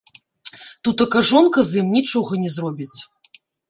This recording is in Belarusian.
Тутака жонка з ім нічога не зробіць.